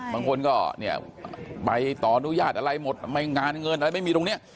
บางคนก็เนี่ยใบต่ออนุญาตอะไรหมดไม่งานเงินอะไรไม่มีตรงนี้